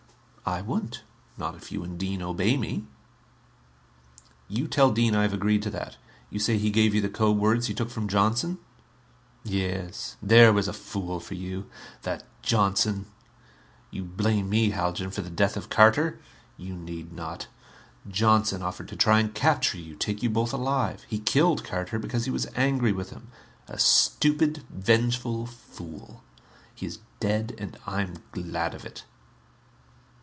"I won't. Not if you and Dean obey me." "You tell Dean I have agreed to that. You say he gave you the code words he took from Johnson?" "Yes. There was a fool, for you! That Johnson! You blame me, Haljan, for the death of Carter? You need not. Johnson offered to try and capture you, take you both alive. He killed Carter because he was angry with him. A stupid, vengeful fool! He is dead and I'm glad of it."